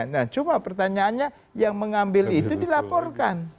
nah cuma pertanyaannya yang mengambil itu dilaporkan